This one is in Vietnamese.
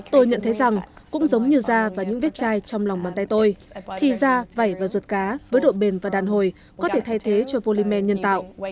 tôi nhận thấy rằng cũng giống như da và những vết chai trong lòng bàn tay tôi thì da vảy và ruột cá với độ bền và đàn hồi có thể thay thế cho volymen nhân tạo